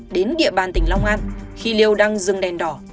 đến địa bàn tỉnh long an khi liêu đang dừng đèn đỏ